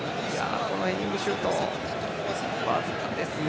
このヘディングシュート僅かですね